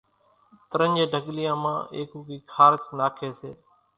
ترڃين ڍڳليان مان ايڪوڪي خارچ ناکي سي۔